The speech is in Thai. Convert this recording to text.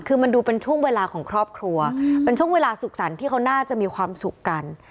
คือมันดูเป็นช่วงเวลาของครอบครัวเป็นช่วงเวลาสุขสรรค์ที่เขาน่าจะมีความสุขกัน